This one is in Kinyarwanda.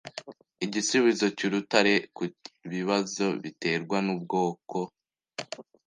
Igisubizo cyurutare kubibazo biterwa nubwoko